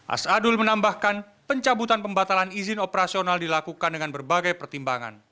⁇ saadul menambahkan pencabutan pembatalan izin operasional dilakukan dengan berbagai pertimbangan